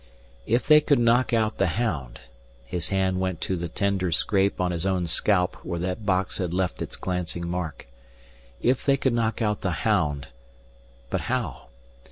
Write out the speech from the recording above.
If they could knock out the hound his hand went to the tender scrape on his own scalp where that box had left its glancing mark if they could knock out the hound But how?